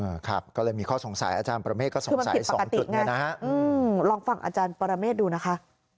ครับก็เลยมีข้อสงสัยอาจารย์ประเมฆก็สงสัยสองจุดเนี่ยนะฮะอืมลองฟังอาจารย์ปรเมฆดูนะคะ